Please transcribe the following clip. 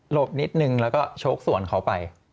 บนิดนึงแล้วก็โชคสวนเขาไป